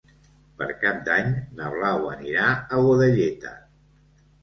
Per Cap d'Any na Blau anirà a Godelleta.